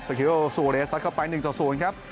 ศักดิ์แบ่งโซเรสชัดเข้าไป๑๐ครับ